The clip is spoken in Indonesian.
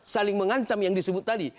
saling mengancam yang disebut tadi